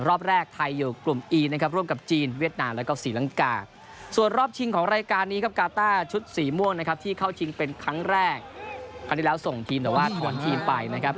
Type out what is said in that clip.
รอบแรกไทยอยู่กลุ่มอีหรือแน่นกับจีนเวียดนาลังกาและซีรังกา